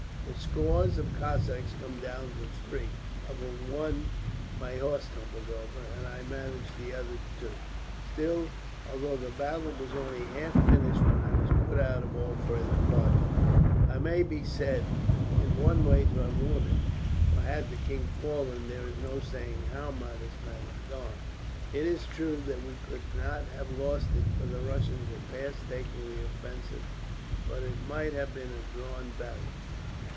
"The scores of Cossacks come down to three, of whom one my horse tumbled over, and I managed the other two. Still, although the battle was only half finished when I was put out of all further part in it, I may be said in one way to have won it; for had the king fallen, there is no saying how matters might have gone. It is true that we could not have lost it, for the Russians were past taking the offensive, but it might have been a drawn battle."